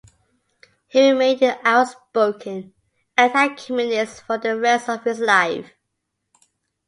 He remained an outspoken anti-communist for the rest of his life.